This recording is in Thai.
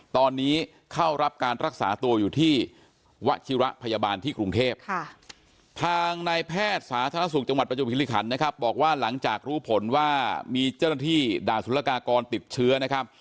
ตอนนี้เข้ารับการรักษาตัวอยู่ที่วัชิระพยาบาลที่กรุงเทพทางนายแพทย์สาธารณสุขจังหวัดประจวบฮิริขันนะครับบอกว่าหลังจากรู้ผลว่ามีเจ้าหน้าที่ด่าศุลกากรติดเชื้อนะครับ